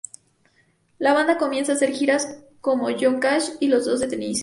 La banda comienza a hacer giras como "Johnny Cash y los dos de Tennessee".